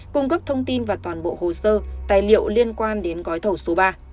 cung cấp thông tin và toàn bộ hồ sơ tài liệu liên quan đến gói thẩu số ba